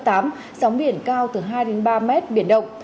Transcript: sóng biển cao từ hai đến ba mét biển động